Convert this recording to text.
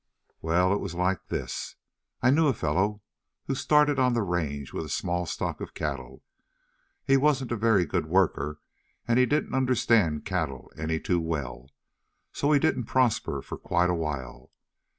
"Well, it was like this: I knew a fellow who started on the range with a small stock of cattle. He wasn't a very good worker, and he didn't understand cattle any too well, so he didn't prosper for quite a while.